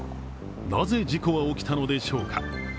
なぜ事故は起きたのでしょうか。